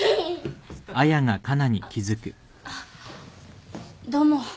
あっあっどうも。